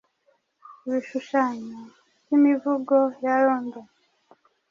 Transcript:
Ibishushanyo byimivugo ya London